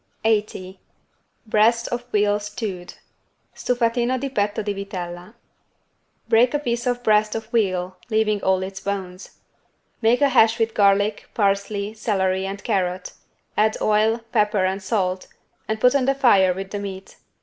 80 BREAST OF VEAL STEWED (Stufatino di petto di vitella) Break a piece of breast of veal leaving all its bones. Make a hash with garlic, parsley, celery and carrot; add oil, pepper and salt and put on the fire with the meat.